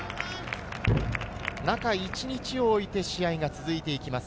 中１日置いて試合が続いていきます。